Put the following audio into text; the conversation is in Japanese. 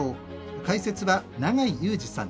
解説は永井祐司さん。